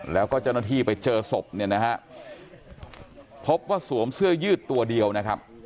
แล้วก็เจ้าหน้าที่ไปเจอศพเนี่ยนะฮะพบว่าสวมเสื้อยืดตัวเดียวนะครับ